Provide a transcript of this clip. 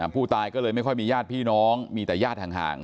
ผู้ตายก็เลยไม่ค่อยมีญาติพี่น้องมีแต่ญาติห่าง